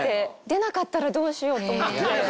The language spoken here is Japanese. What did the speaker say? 出なかったらどうしようと思って。